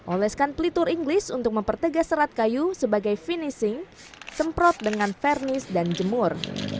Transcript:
oleskan pelitur inggris untuk mempertegas serat kayu sebagai finishing semprot dengan fernish dan jemur